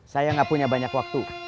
saya gak punya banyak waktu